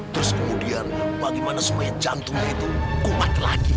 terus kemudian bagaimana supaya jantungnya itu kuat lagi